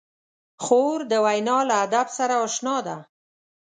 خور د وینا له ادب سره اشنا ده.